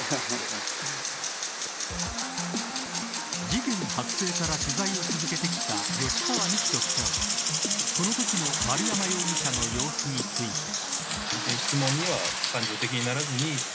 事件発生から取材を続けてきた吉川幹人記者はこのときの丸山容疑者の様子について。